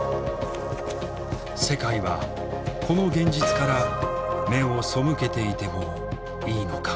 世界はこの現実から目を背けていてもいいのか。